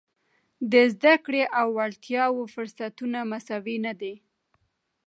د زده کړې او وړتیاوو فرصتونه مساوي نه دي.